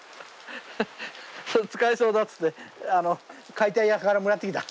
使えそうだつって解体屋からもらってきた。